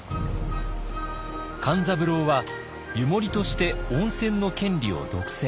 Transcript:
勘三郎は湯守として温泉の権利を独占。